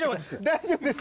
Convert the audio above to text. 大丈夫です。